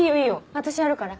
私やるから。